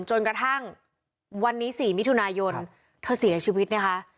จนกระทั่งวันนี้๔มิถุนายนเธอเสียชีวิตนะคะ